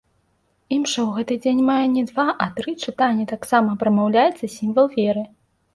Імша ў гэты дзень мае не два, а тры чытанні, таксама прамаўляецца сімвал веры.